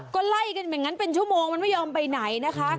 ก็ไล่กันอย่างนั้นเป็นชั่วโมงมันไม่ยอมไปไหนนะคะ